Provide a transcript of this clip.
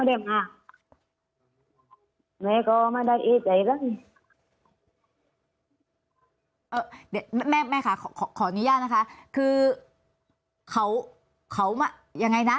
เอ่อเดี๋ยวแม่แม่ค่ะขอขออนุญาตนะคะคือเขาเขามายังไงนะ